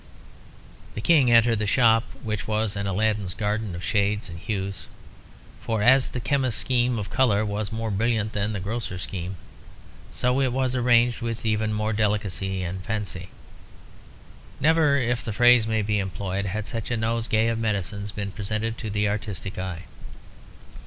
The King entered the shop, which was an Aladdin's garden of shades and hues, for as the chemist's scheme of colour was more brilliant than the grocer's scheme, so it was arranged with even more delicacy and fancy. Never, if the phrase may be employed, had such a nosegay of medicines been presented to the artistic eye.